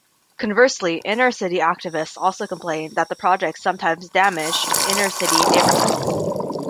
Conversely inner city activists also complained that the projects sometimes damaged inner city neighborhoods.